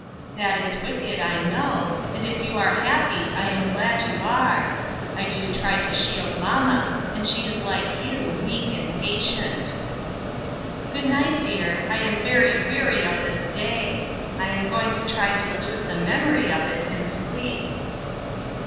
That is wicked, I know, and if you are happy, I am glad you are. I do try to shield mamma, and she is like you, meek and patient. 248 INTERRUPTED. " Good night, dear ! I am very weary of this day. I am going to try to lose the memory of it in sleep."